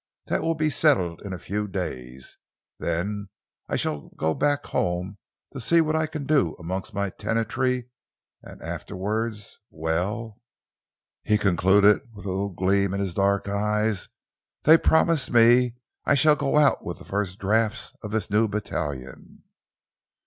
That will be settled in a few days. Then I shall go back home to see what I can do amongst my tenantry, and afterwards well," he concluded, with a little gleam in his dark eyes, "they promise me I shall go out with the first drafts of the new battalion."